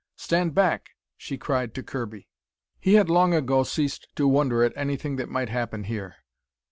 "Stand back!" she cried to Kirby. He had long ago ceased to wonder at anything that might happen here.